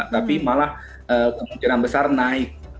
tapi malah kemungkinan besar naik